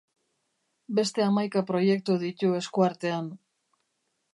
Beste hamaika proiektu ditu esku artean.